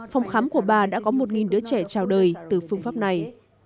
phòng khám của bà đã có một đứa trẻ trào đời từ phương pháp này